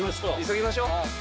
急ぎましょう。